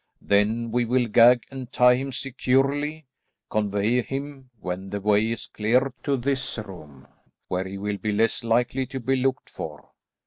Then we will gag and tie him securely, convey him, when the way is clear, to this room, where he will be less likely to be looked for.